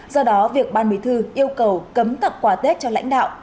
do đó việc ban bí thư yêu cầu cấm tặng quà tết cho lãnh đạo